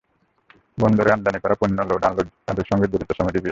বন্দরে আমদানি করা পণ্য লোড-আনলোড কাজের সঙ্গে জড়িত শ্রমজীবী এসব মানুষ।